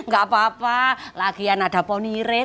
gak apa apa lagian ada ponire